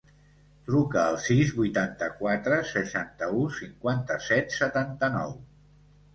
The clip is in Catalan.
Truca al sis, vuitanta-quatre, seixanta-u, cinquanta-set, setanta-nou.